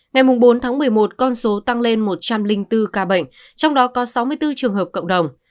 ngày bốn tháng một mươi một con số tăng lên một trăm linh bốn ca bệnh trong đó có sáu mươi bốn trường hợp cộng đồng